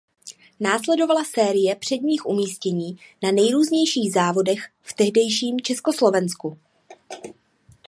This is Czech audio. Následovala série předních umístění na nejrůznějších závodech v tehdejším Československu.